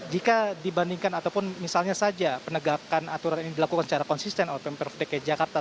jika dibandingkan ataupun misalnya saja penegakan aturan ini dilakukan secara konsisten oleh pemprov dki jakarta